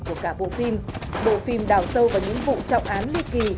của cả bộ phim bộ phim đào sâu vào những vụ trọng án nghi kỳ